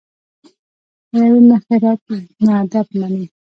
له یوې مخې رد نه ادب مني.